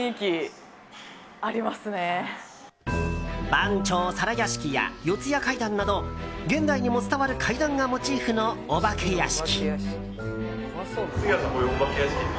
「番町皿屋敷」や「四谷怪談」など現代にも伝わる怪談がモチーフのお化け屋敷。